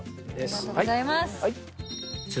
ありがとうございます。